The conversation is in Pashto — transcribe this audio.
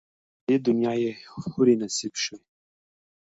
پر دې دنیا یې حوري نصیب سوې